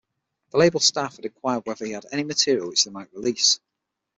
The label staff had enquired whether he had any material which they might release.